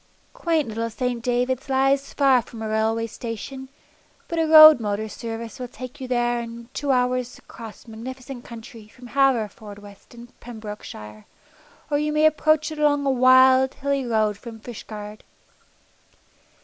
Quaint little St. Davids lies far from a railway station, but a road motor service will take you there in a two hours' journey across magnificent country from Haverfordwest in Pembrokeshire, or you may approach it along a wild, hilly road from Fishguard.